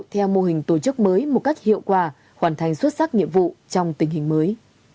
theo mô hình tổ chức mới một cách hiệu quả hoàn thành xuất sắc nhiệm vụ trong tình hình mới